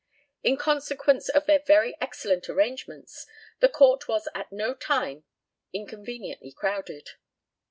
In consequence of their very excellent arrangements, the Court was at no time inconveniently crowded.